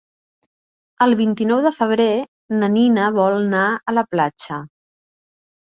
El vint-i-nou de febrer na Nina vol anar a la platja.